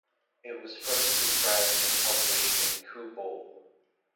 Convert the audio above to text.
It was first described and published in Kew Bull.